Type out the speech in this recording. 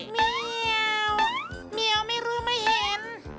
เมียวเมียวไม่รู้ไม่เห็น